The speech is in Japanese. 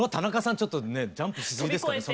ちょっとジャンプしすぎですかね